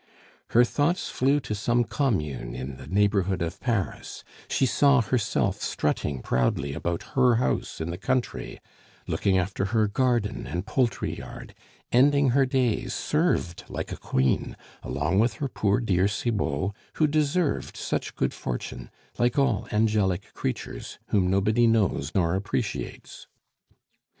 Her thoughts flew to some commune in the neighborhood of Paris; she saw herself strutting proudly about her house in the country, looking after her garden and poultry yard, ending her days, served like a queen, along with her poor dear Cibot, who deserved such good fortune, like all angelic creatures whom nobody knows nor appreciates.